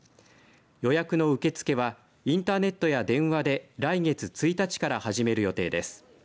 予約の受け付けはインターネットや電話で来月１日から始める予定です。